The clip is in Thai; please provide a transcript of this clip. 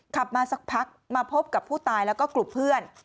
ขับมาสักพักมาพบกับผู้ตายแล้วก็กลุ่มเพื่อน